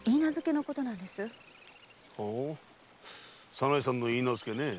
ほう早苗さんの許婚ね。